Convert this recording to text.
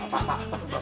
pak pak pak